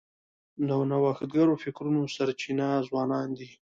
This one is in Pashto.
د نوښتګرو فکرونو سرچینه ځوانان دي.